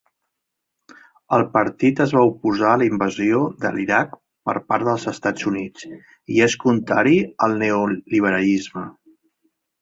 El partit es va oposar a la invasió de l'Iraq per part dels Estats Units i és contrari al neoliberalisme.